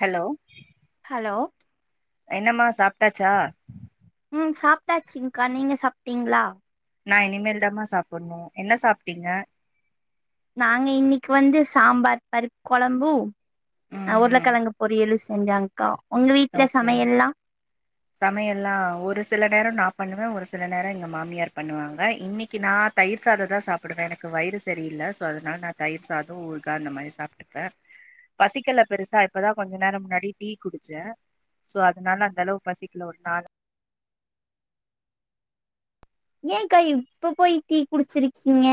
Hello hello என்னம்மா சாப்ட்டாச்சா ம் சாப்ட்டாச்சுங்க்கா நீங்க சாப்ட்டீங்ளா நா இனிமேல் தாமா சாப்பிட்ணு என்ன சாப்ட்டீங்க நாங்க இன்னைக்கி வந்து சாம்பார் பருப்பு கொழம்பு அ ம் உருளக்கிழங்கு பொரியலு செஞ்சாங்க்கா உங்க வீட்ல சமையல்லா சமைல்லா ஒரு சில நேரோ நா பண்ணுவே ஒரு சில நேரோ எங்க மாமியார் பண்ணுவாங்க இன்னைக்கு நா தயிர் சாதந்தா சாப்படுவே எனக்கு வயிறு சரியில்ல ஸோ அதனால நா தயிர் சாத ஊர்கா அந்த மாறி சாப்டு வே பசிக்கல பெருசா இப்பதா கொஞ்ச நேரோ முன்னாடி டீ குடிச்சே சோ அதனால அந்த அளவு பசிக்கல ஒரு நாளு ஏன்க்கா இப்ப போயி டீ குடிச்சுயிருக்கீங்க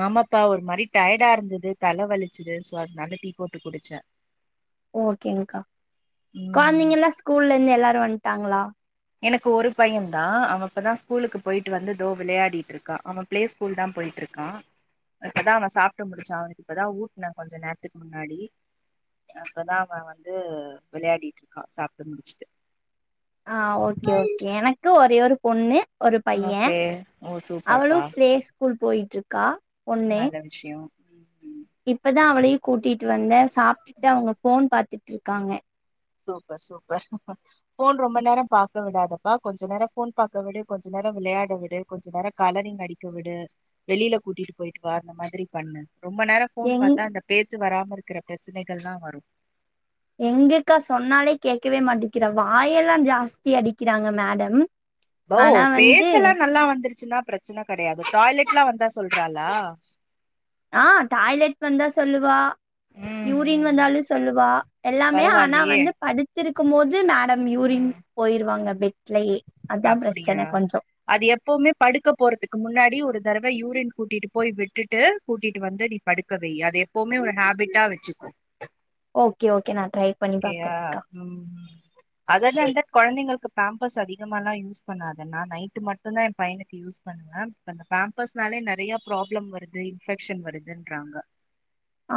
ஆமாப்பா ஒரு மாறி டயர்டா இருந்தது தல வலிச்சது சோ அதனால டீ போட்டு குடிச்சே ஓக்கேங்க்கா ம் கொழந்தங்கல்லா ஸ்கூல்ல இருந்து எல்லாரு வன்ட்டாங்ளா எனக்கு ஒரு பையன் தா அவன் இப்பதா ஸ்கூலுக்கு போயிட்டு வந்து தோ வெளயாடிட்டு இருக்கா அவன் பிளே ஸ்கூல் தா போயிட்ருக்கா இப்பதா அவன் சாப்ட்டு முடிச்சா அவனுக்கு இப்பதா ஊட்னே கொஞ்ச நேரத்துக்கு முன்னாடி அப்பதா அவன் வந்து வெளயாடிட்டு இருக்கா சாப்ட்டு முடிச்சுட்டு ஆ ஓக்கே ஓக்கே எனக்கும் ஒரே ஒரு பொண்ணு ஒரு பையன் ஓகே ஓ சூப்பர்ப்பா கூல் போயிட்ருக்கா பொண்ணு நல்ல விஷ்யோ இப்பதா அவளையு கூட்டிட்டு வந்தே சாப்ட்டுட்டு அவங்க ஃபோன் பாத்துட்டு இருக்காங்க சூப்பர் சூப்பர் ஃபோன் ரொம்ப நேரம் பாக்க விடாதப்பா கொஞ்ச நேரோ ஃபோன் பாக்க விடு கொஞ்ச நேரோ விளையாட விடு கொஞ்ச நேரோ கலரிங் அடிக்க விடு வெளியில கூட்டிட்டு போயிட்டு வா அந்த மாதிரி பண்ணு ரொம்ப நேரம் ஃபோன் எங் பாத்தா அந்த பேச்சு வராம இருக்கிற பிரச்சனைகள் எல்லா வரும் எங்கக்கா சொன்னாலே கேக்கவே மாட்டிங்கிறா வாயெல்லா ஜாஸ்தி அடிக்கிறாங்க மேடம் பவ் ஆனா வந்து பேச்செல்லா நல்லா வந்துருச்சுன்னா பிரச்சன கெடயாது டாய்லெட்லா வந்தா சொல்றாலா ஆ டாய்லெட் வந்தா சொல்லுவா யூரின் வந்தாலு சொல்லுவா எல்லாமே ஆனா பரவாயில்லயே வந்து படுத் திருக்கும் போது மேடம் யூரின் போயிருவாங்க பெட்லயே அதா அப்பிடியா பிரச்சன கொஞ்சோ அது எப்பவுமே படுக்க போறதுக்கு முன்னாடி ஒரு தரவ யூரின் கூட்டிட்டு போய் விட்டுட்டு கூட்டிட்டு வந்து நீ படுக்க வை அது எப்பவுமே ஒரு ஹேபிட்டா வச்சுக்கோ ஓக்கே ஒக்கே நா ட்ரை பண்ணி ஓகேயா பாக்குறங்க்கா ம் அது அது அந்த கொழந்தைங்களுக்கு பேம்பர்ஸ் அதி கமா எல்லா யூஸ் பண்ணாத நா நைட்டு மட்டுந்தா எ பையனுக்கு யூஸ் பண்ணுவ அந்த பேம்பர்ஸ் னாலே நறிய ப்ராப்ளம் வருது இன்வெக்ஷன் வருதுன்றாங்க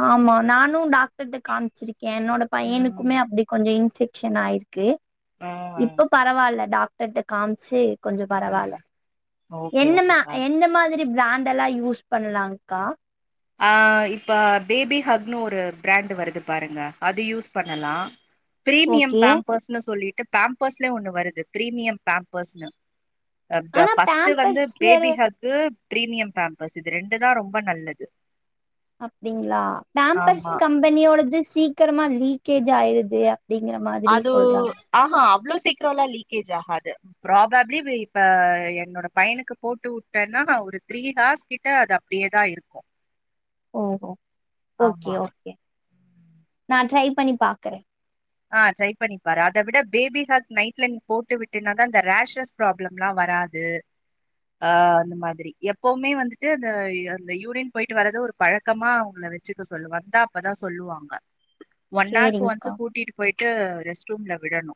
ஆமா நானும் டாக்டர்ட்ட காமிச்சிருக்கே என்னோட ம் பையனுக்குமே அப்டி கொஞ்சோ இன்வெக்ஷன் ஆயிருக் க்கு ஆ இப்ப பரவால்ல டாக்டர்ட்ட காம்ச்சு கொஞ்சோ ம் பரவால்ல ஓகே என்னமா ஓகேப்பா எந்த மாதிரி பிராண்ட் ல்லா யூஸ் பண்ணலாங்க்கா அ இப்ப பேபி ஹக்னு ஒரு பிராண்ட் வருது பாருங்க அது யூஸ் பண்ணலா பிரீமியம் ஓகே பேம்பர்ஸ்ன்னு சொல்லிட்டு பேம்பர்ஸ்லயே ஒண்ணு வருது பிரீமியம் பேம்பர்ஸ்ன்னு அ ப்ப ஆனா ஃபர்ஸ்ட் வந்து பேம்பர்ஸ்ல பேபிஹக்கு பிரீமியம் பேம்பர்ஸ் இது ரெண்டுதா ரொம்ப நல்லது அப்டிங்களா போம்பர்ஸ் ஆமா கம்பெனியோடது சீக்கிரமா லீக்கேஜ் ஆயிருது அப்டிங்கிற மாரி அதூ ஆமா அவ்ளோ சீக்கிரம்ல்லா லீக்கேஜ் ஆஹாது ப்ராபிலி இப்ப என்னோட பையனுக்கு போட்டு வுட்டேன்னா ஒரு த்ரீ ஹார்ஸ் கிட்ட அது அப்படியேதா இருக்கோ ஒ ஓ ஓகே ஓகே நா ட்ரை பண்ணி பாக்கறே ஆ ட்ரை பண்ணிப்பாரு அத விட பேபி ஹாக் நைட்ல நீ போட்டு விட்டுனாக்க அந்த ரேஷஸ் ப்ராப்ளம்லா வராது ஆ அந்த மாதிரி எப்பவ்வுமே வந்துட்டு அந்த அந்த யூரின் போயிட்டு வர்தே ஒரு பழக்கமா அவங்கள வச்சுக்க சொல்லுங்க வந்தா அப்பதா சொல்லுவாங்க ஒன் ஆர்க்கு சேரிங்க்கா ஒன்ஸ் கூட்டிட்டு போயிட்டு ரெஸ்ட் ரூம்ல விடணூ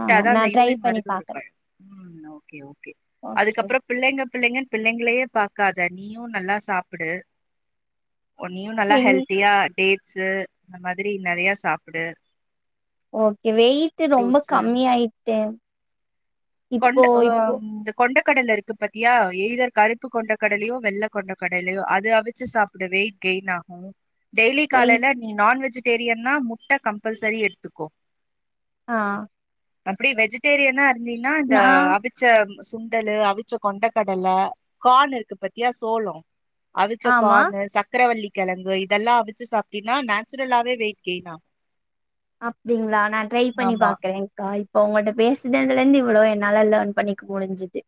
ஆ நா அந்த ட்ரை யூரின் பண்ணி வருது ஒரு பாக்குறே பழக் ம் ஓக்கே ஓகே அதுக்கப்றோ பிள்ளைங்க பிள்ளைங்கன்னு பிள்ளைங்களையே பாக்காத நீயும் நல்லா சாப்பிடு ஒன்னியூ நல்லா எங் ஹெல்த்தியா டேட்ஸ அந்த மாதிரி நெறய சாப்பிடு ஓகே வெயிட் ரொம்ப ஃப்ரூட்ஸு கம்மி ஆயிட்டே கொண்ட ஓம் ந்த கொண்டா கடல இருக்கு பாத்தியா எயிதர் கருப்பு கொண்ட கடலையோ வெள்ளை கொண்ட கடலையோ அதை அவிச்சு சாப் பிடவோ கேயின் ஆகும் டெய்லி காலை வெயிட் நீ நான் வெஜிடேரியன்னா முட்ட கம்பல்சரி எடுத்துக்கோ ஆ அப்படி வெஜிடேரியனா இருந்தீன்னா இந்த நா அவிச் விச்ச சுண்டலூ அவிச்ச கொண்ட கடல கான் இருக்கு பத்தியா சோளம் அவிச்ச ஆமா கான் சக்கரவல்லி கிழங்கு இதெல்லா அவிச்சு சாப்பிட்டனா நேச்சுரலாவே வெயிட் கெயின் ஆகும் அப்படிங்களா நா ட்ரை பண்ணி ஆமா பாக்குறேங் க்கா இப்ப உங்கள்ட்ட பேசுனதுல இருந்து இவ்ளோ என்னால லார்ன் பண்ணிக்க முடிஞ்சுது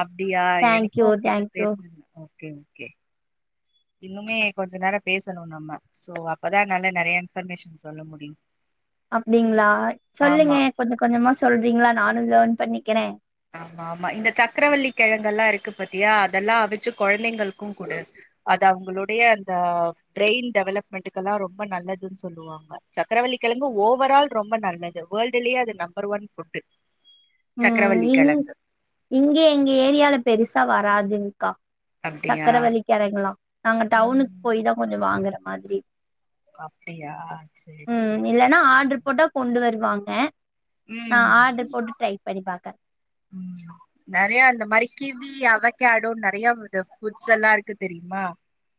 அப்டியா எனக்கூ தேங்க்யூ அப்டிதா உங்கிட்ட தேங்க்யூ பேசனதுல ஓகே ஓகே இன்னுமே கொஞ்சோ நேரோ பேசணோ நம்ம சோ அப்பதா நல்ல நிறைய இன்பர்மேஷன் சொல்ல முடியூ அப்டிங்களா சொல்லுங்க கொஞ்சோ கொஞ்சமா சொல்றீங்களா நானூ லேர்ன் பண்ணிக்கிறே ஆமாம்மா இந்த சக்கரவள்ளி கிழங்க எல்லா இருக்கு பத்தியா அதெல்லா அவிச்சு குழந்தைங்களுகூ குடு அது அவங்களுடைய அந்த பிரெயின் டெவலப்மெண்ட்டக்கு எல்லா ரொம்ப நல்லதுன்னு சொல்லுவாங் சக்கரவல்லிகிழங்கு ஓவரால் ரொம்ப நல்லது வேர்ல்ட்லயே அது நம்பர் ஒன் ஃபுட்டு் ம் இங் இங்க எங்க ஏரியாவுல பெருசா வராதுங்க்கா அப்டியா சக்கரவல்லி கெழங்கெல்லா நாங்க டவுனுக்கு போய் ம் தா கொஞ்சோ வாங்குற மாதிரி அப்டியா செரி செரி ஆனா ஆர்டர் போட்டா கொண்டு வருவாங்க நான் ம் ஆர்டர் போட்டு ட்ரை பண்ணி பாக்கறே ம் நெறய இந்த மாதிரி கிவி அவக்கேடோ நிறைய ‌இது ஃபுட்ஸ் எல்லா இருக்கு தெரியுமா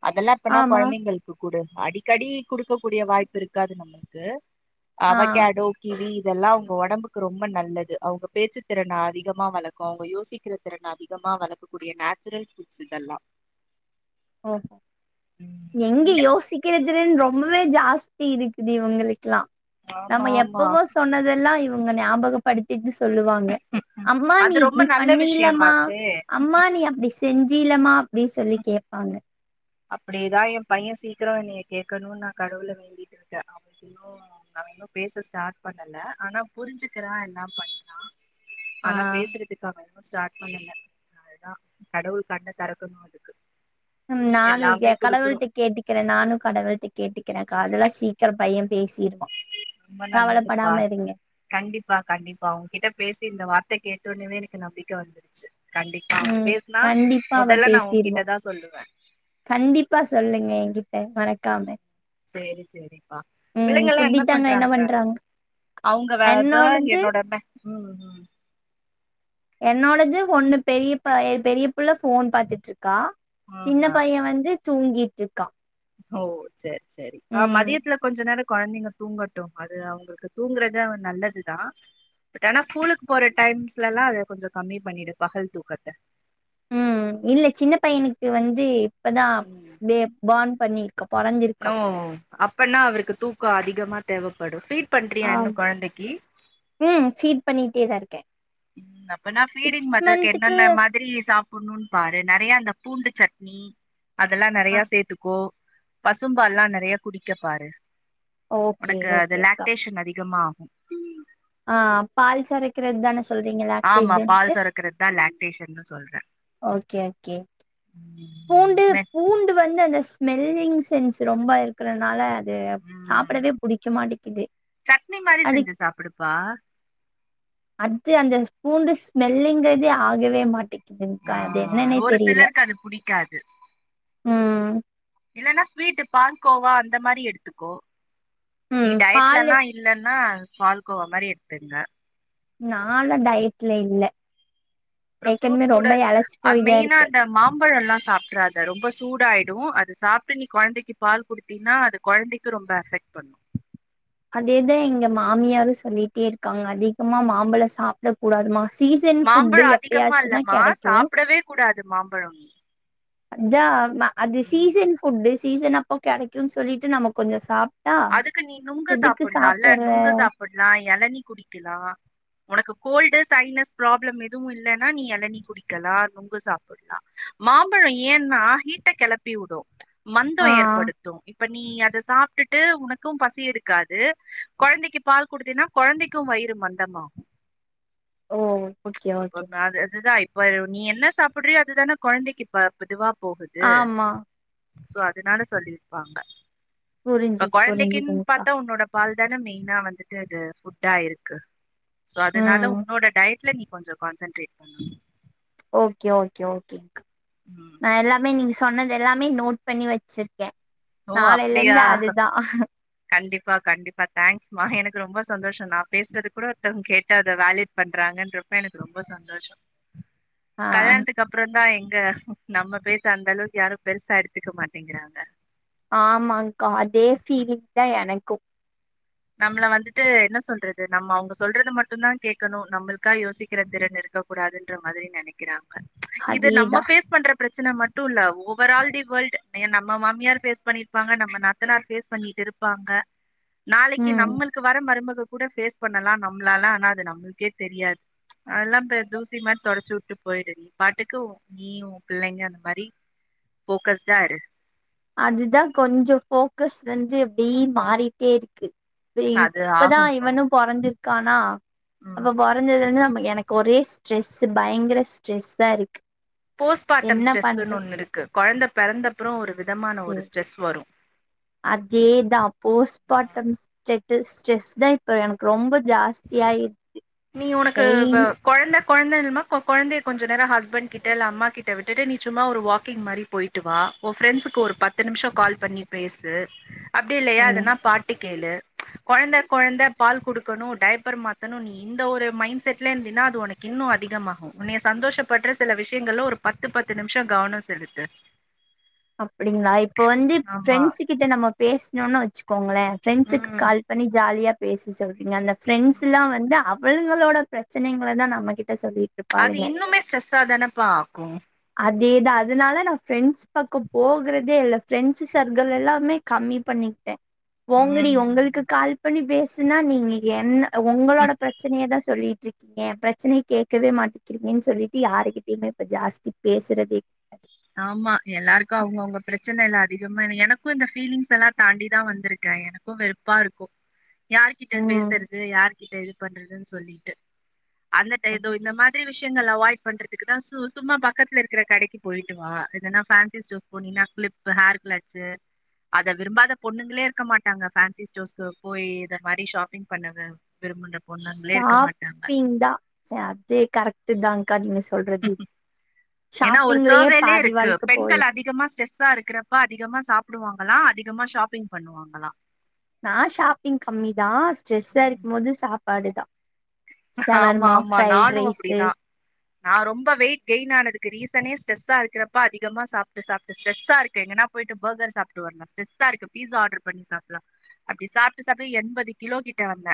அதெல்லா இப்பனா ஆமா குழந்தைங்களுக்கு குடு அடிக்கடி குடுக்கக்கூடிய வாய்ப்பு இருக்காது நம்மளுக்கு ஆ அவகேடோ கிவி இதெல்லா அவங்க ஒடம்புக்கு ரொம்ப நல்லது அவங்க பேச்சு திறனா அதிகமா வளர்க்கோ அவங்க யோசிக்கிற திறனை அதிகமா வளர்க்கக்கூடிய நேச்சுரல் ஃபுட்ஸ் இதெல்லா ஒ ஓ ம் எங்க இல்ல யோசிக் கிறத்துறோ ரொம்பவே ஜாஸ்தி இதுக் இவங்களுக்கெல்லா ஆமா நம்ப ஆமா எப்பவோ சொன்ன எல்லா இவங்க ஞாபகப் படுத்திட்டு சொல்லுவாங்க அம்மா நீ அது ரொம்ப இப்படி நல்ல பண்ணியில்லம்மா விஷயமாச்சே அம்மா நீ அப்டி செஞ்சிலமா அப்டினு சொல்லி கேட்ப அப்டியேதா எ பைய சீக்கிரோ என்னைய கேட்கணு நா கடவுளை வேண்டிட்டு இருக்கே அவ இன்னு அவ இன்னு பேச ஸ்டார்ட் பண்ணல ஆனா புரிஞ்சுக்கிற எல்லா பண்றா ஆ ஆனா பேசுறதுக் கு அவ இன்னு ஸ்டார்ட் பண்ணல அதுதா கடவுள் கண்ண தெறக்கணு அதுக்கு ம் நானு எல்லாமே குடுக்குறோ கடவுள்ட்ட கேட்டுக்கிறே நானு கடவுள்ட்ட கேட்டுக்கிறேகா அதெல்லா சீக்கிர பைய பேசிருவா ரொம்ப நல்லதுப்பா கவலப்படாம இருங்க. கண்டிப்பா கண்டிப்பா உங்ககிட்ட பேசி இந்த வார்த்தை கேட்டோவுடனேயே எனக்கு நம்பிக்கை வந்துருச்சு கண்டிப்பா அவ ம் பேசனா கண்டிப்பா அவ மொதல்ல நா பேசிருவா. உகிட்ட தா சொல்லுவே கண்டிப்பா சொல்லுங்க என்கிட்ட மறக் செரி சேரிப்பா ம் பிள்ளைங்கல்லா குட்டி என்ன தங்கோ பண்றாங்க அவுங்க வேறத என்னோடது என்னோடன்னே ம் ம் என்னோடது ஒண்ணு பெரியப்ப பெரிய புள்ள ஃபோன் பாத்துட்டு இருக்கா சின்ன ஆஹா பைய வந்து தூங்கிட்டு இருக்கா ஓ சேரி சேரி அ மதியத்துல கொஞ்ச நேரோ கொழந்தைக தூங்கட்டு அது அவங்களுக்கு தூங்குறது நல்லதுதா பட் ஆனா ஸ்கூலுக்கு போற டைம்ஸ்ல எல்லா அத கொஞ்சோ கம்மி பண்ணிடு பகல் தூக்கத்த ம் இல்ல சின்ன பையனுக்கு வந்து இப்பதா ம் பே பர்ன் பண்ணிருக்க பொறந்து இருக் நோ அப்பனா அவருக்கு தூக்கோ அதிகமா தேவைப்படு ஃபீட் பண்றியா ஆம் இன்னு கொழந்தைக்கி ம் ஃபீட் பண்ணிட்டே தா இருக்கே ம் அப்பனா ஃபிடிங் சிக்ஸ் மதர்க்கு மந்த்துக்கு என்னென்ன மா திரி சாப்பிடணு பாரு நெறைய அந்த பூண்டு சட்னி அதெல்லா ஆ நெறைய சேத்துக்கோ பசும்பாலல்லா நெறைய குடிக்கப் பாரு ஓகே உனக்கு அது ஓகே அக்கா லாக்டேஷன் அதிகமா ஆகு அ பால் சொரக்கறது தானே ஆமா பால் சொறக்குறது தா லாக்டேஷன்னு சொல்றே ஓகே ஓகே ம் பூண்டு வெ பூண்டு வந்து அந்த ஸ்மெல்லிங் சென்ஸ் ரொம்ப இருக்கிறனால அது ம் சாப்படவே புடிக்க மாட்டேக்குது சட்னி மாரி அது செஞ்சு சாப்புடுப்பா அது அந்த பூண்டு ஸ்மெல்லுங்கறதே ஆகவே மாட்டேக்குதுங்க்கா அது என்னன்னே தெரியல க்கது இல்ன்னா ஸ்வீட் பால் கோவா அந்த மாரி எடுத்துக்கோ நீ ம் பாலு டயட்லல்லா இல்ன்னா பால கோவா மாரி எடுத்துங்க நா எல்லா டய்டல இல்ல அப்புறம் ஏற்கனவே ஃப்ரூட்ஸ் கூட ரொம்ப எழச்சு அ போய்தா மெயினா இருக்கே அந்த மாம்பழோ எல்லாம் சாப்ப டறதா ரொம்ப சூட ஆயிடு அதை சாப்பிட்டு நீ குழந்தைக்கு பால் குடுத் தினா அது கொழந்தைக்கு ரொம்ப அஃப்க்ட் பண்ணு அதேதா எங்க மாமியாரு சொல்லிட்டே இருக்காங்க அதிகமா மாம்பழ சாப்பிட கூடாதுமா சீசன் ஃபுட்டு மாம்பழோ அதிகமா எப்பயாச்சுதா இல்லமா கெடைக்கு சாப்டவே கூடாது மாம்பழம் அதா அது ம். சீசன் ஃபுட்டு சீசன் அப்போ கெடைக்குன்னு சொல்லிட்டு நம்ம கொஞ்ச சாப் அதுக்கு நீ நுங்க சாப்பிடலால்ல நுங்கு சாப்பிடலா எளநி குடிக்கலா உனக்கு கோல்டூ சைனஸ் ப்ராப்ளம் எதுவு இல்லைன்னா நீ எளநீ குடிக்கலா நொங்கு சாப்பிடலா மாம்பழம் ஏன்னா ஹீட்டை கெளப்பி விடு மந்தோ ஆ ஏற்படுத்து இப்ப நீ அத சாப்பிட்டு ட்டு உனக்கும் பசி எடுக்காது கொழந்தெக்கு பால் குடுத்தீன்னா கொழந்தெக்கு வயிறு மந்தமாகு ஓ ஓகே அ ஓகே அப்பப் அது அதுதா இப்ப நீ என்ன சாப்பிட்றியோ அதுதான கொழந்தெக்கி இப்ப ப்மெதுவா போகுது ஆமா சோ அதனால சொல்லிர்ப்பாங்க ப புரிஞ்சுது கொழந்தெக்கின் புரிஞ்சுதுங்க்கா பாத்தா உன்னோட பால் தான மெய்னா வந்துட்டு இது ஃபுட்டா இருக்கு சோ அதனால ம் உன்னோட டய்ட் இல்ல நீ கொஞ்ச கான்சென்ட்ரேட் பண்ணு ஓகே ஓகே ஓகே க் ம் எல்லாமே நீ சொன்னது எல்லாமே நோட் பண்ணி வெச்சிர்க்கே ஓ நாளேல அப்டியா இருந்து அதுதா கண்டிப்பா கண்டிப்பா தேங்க்ஸ்மா எனக்கு ரொம்ப சந்தோஷோ நா பேசுறது கூட ஒருத்தவங்க கேட்டு அத வ்வேல்யு பண்றாங்கன்றப்ப எனக்கு ரொம்ப சந்தோஷோ ஆ கல்யாண்துக் அதுக்கப்பறொந்தா எங்க நம்ம பேச்ச அந்த அளவுக் யாரு பெருசா எடுத்துக்க மாட்டிங்கிறாங்க ஆமாங்கா அதே ஃபீலிங் தா எனக்கு நம்மள வந்துட்டு என்ன சொல்றது நம்ம அவங்க சொல்றது மட்டுந்தா கேக்கணு நம்மளுக்கா யோசிக்கெற திறன் இருக்க கூடாதுன்ற மாரி நெனக்கிறாங்க இது அதேதா நம்ம ஃபேஸ் பண்ற ப்ரச்சன மட்டு இல்ல ஓவர் ஆல் தி வேல்டு எ நம்ம மாமியார் ஃபேஸ் பண்ணிர்ப்பாங்க நம்ம நாத்தனார் ஃபேஸ் பண்ணிட்டு இருப் ப்பாங்க நாளெக்கி ம் நம்மளுக்கு வர மருமக கூட ஃபேஸ் பண்ணலா நம்மளாலா ஆனா அது நம்மளுக்கே தெரியாது அதல்லா இந்த தூசி மாரி தொடச்சு உட்டு போயிடு நீ பாட்டுக்கு ஊ இ நீயு ஊ புள்ளெங்க மரி ஃபோக்கஸ்டா இரு அதுதா கொஞ்சொ ஃபோக்கஸ் வந்து அப்டி மாறிட்டே இருக்கு அது இப்பதா ஆகும்பா இவனு பொறந்திர்க்கானா ம் அப்ப பொறந்ததுல இருந்து நம்ம எனக்கு ஒரே ஸ் ட்ரெஸ் பயங்கர ஸ்ட்ரெஸ்ஸா இருக்கு போஸ்பாட்டம் என்ன ஸ்ட்ரெஸுன்னு பண்றது ஒன்னு இருக்கு கொழந்த பிறந்த அப்பறொ ஒரு விதமான ஒரு ஸ்ட்ரெஸ் வரு அதேதா போஸ்பாட்டம் ஸ் டெத்திஸ் ஸ்ட்ரெஸ் தா இப்ப எனக்கு ரொம்ப ஜாஸ் ஸ்தியா இருக்கு நீ உனக்கு வ டெய்லி கொழந்த கொழந்த ன்னு இருந்தா கொ கொழந்தைய கொஞ்ச நேர ஹஸ்பண்ட் கிட்ட இல்ல அம்மா கிட்ட விட்டுட்டு நீ சும்மா ஒரு வாக்கிங் மாரி போய் ட்டு வா ஊ ஃப்ரெண்ட்ஸுக்கு ஒரு பத்து நிம்ஷோ கால் பண்ணி பேசு அப்டி இல்லயா ம் எதனா பாட்டு கேளு கொழந்த கொழந்த பால் குடுக்கணு டைய்ப்பர் மாத்தனு நீ இந்த ஒரு மைண் செட்ல இருந்தீனா அது உனக்கு இன்னு அதிகமாகு உன்னைய சந்தோஷ படுட்ற சில விஷயங்கள்ல ஒரு பத்து பத்து நிம்ஷொ கவனோ செலுத்து அப்டிங்களா இப்ப வந்து ஆமா ஃப்ரெண்ட்ஸ் கிட்ட நம்ம பேச்ணோன்னு வெச்சுக்கோங்களே ஃப்ரெண்ட்ஸுக்கு ம் கால் பண்ணி நீ ஜாலியா பேசு சொல்றீங்க அந்த ஃப்ரெண்ட்ஸ் எல்லா வந்து அ அவளுகளோட ப்ரச்சனைங்கள தா நம்ம கிட்ட சொல்லிட்டு இருப் அது இன்னுமே ஸ்ட்ரெஸ்ஸா தானப்பா ஆகு அதேதா அதுனால நா ஃப்ரெண்ட்ஸ் பக்கொ போகறதே இல்ல ஃப்ரெண்ட்ஸ் சர்கிள் எல்லாமே கம்மி பண்ணிக்கிட்டே போங்கடி உங்களுக்கு கால் பண்ணி பேசுனா நீங்க என்ன ம் உங்களோட ப்ரச்சனைய தா சொல்லிட்டு இருக் ஏ ப்ரச்சனிய கேக்கவே மாட்டிங்கிறீங்கன்னு சொல்லிட்டு யாருகிட்டைமே இப்ப ஜாஸ்தி பேசுறதே ஆமா எல்லாருக்கு அவுங்கவுங்க ப்ரச்சன எல்லா அதிகமா எனக்கு இந்த ஃபீலிங்ஸ் எல்லா தாண்டி தா வந்திருக்க எனக் கு வெறுப்பா இருக்கு யாருகிட்ட ம் பேசுறது யாருகிட்ட இது பண்றதுன்னு சொல்லிட்டு அந்த ம் டைய்த்து இந்த மாதிரி விஷ் ஷ்யங்கள அவாய்ட் பண்றதுக்குதா சு சும்மா பக்கத்துல இருக்குற கடக்கி போயிட்டு வா எதன்னா ஃபேன்சி ஸ்டோர் போனீங்னா க்ளிப் ஹேர் க்ளச்சு அத விரும்பாத பொண்ணுங்களே இருக்க மாட்டாங்க ஃபேன்சி ஸ்டோர்க்கு போயி இத மாறி ஷாப்பிங் பண்ணது விரும்புன்ற ஷாப்பிந்தா செ அது கரெக்ட்டு தாங்க்கா நீங்க சொல்றது ஏன்னா ஒரு ஷாப்பிங்லயே சர்வேலயே பாதி இருக்கு வாழ்க்க பெண்கள் போயிரு அதிகமா ஸ்ட்ரெஸ்ஸா இருக்கற ப்ப அதிகமா சாப்பிடுவாங்களா அதிகமா ஷாப்பிங் பண்ணுவாங்களா நா ஷாப்பிங் கம்மி தா ஸ்ட்ரெஸ்ஸா ம் இருக்கும் போது சாப்பாடுதா ஆமா ஆமா நானு அப்டிதா நா ரொம்ப வெயிட் கெயின் ஆனதுக்கு ரீசனே ஸ்ட்ரெஸ்ஸா இருக்கப்ப அதிகமா சாப்ட்டு சாப்ட்டு ஸ்ட்ரெஸ்ஸா இருக்கைங்கனா போயிட்டு பகர் சாப்ட்டு வர்லா ஸ்டெரஸ்ஸா இருக்கு பீஸா ஆடர் பண்ணி சாப்ட்லா அப்டி சாப்ட்டு சாப்ட்டு எண்பது கிலோ கிட்ட வந்த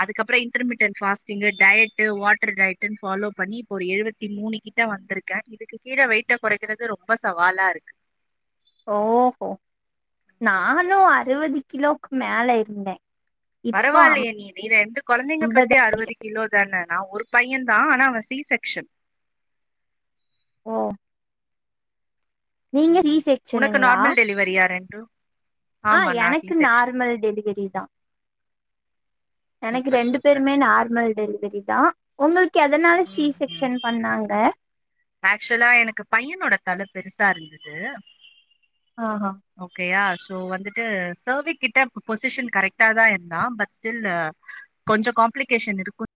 அதுக்கப்றோ இன்ட்ருமீட்டன் ஃபாஸ் இந்த டயட் வாட்டர் டயட்ன்னு ஃபாலோ பண்ணி இப்போ ஒரு எழுவத்தி மூணு கிட்ட வந்திருக்கே இது க்கு கீழ வெயிட்ட கொறக்கிறது ரொம்ப சவாலாருக்கு ஓஹோ நானும் அறுவது கிலோக்கு மேலே இருந்தே இப்போ பரவாயில்லையே நீ நீ ரெண்டு கொழந்தைங்க அம்பது பெத்து அறுவது கிலோ தான நா ஒரு பையன்தா ஆனா அவன் சி செக்ஷன் ஓ நீங்க ஜீ செக்சனுங்களா லி வாரியா ரென்டு ஆ எனக்கு நார்மல் டெலிவரி தா எனக்கு சூப்பர் ரெண்டு சூப்பர் பேருமே வெரி குட் நார்மல் டெலிவெரிதா உங்களுக்கு எதனால சி ம் ம் செக்ஷன் பண்ணாங்க ஆக்சுவலா எனக்கு பையனோட தல பெருசா இருந்தது ஆஹ் ஹான் ஓகாறா சோ வந்துட்டு சேவிக் கிட்ட பொசிஷன் கரெக்டா தா இருந்தா பட் ஸ்டில்லு கொஞ்சோ காம்ப்ளிகேஷன் இருக்கு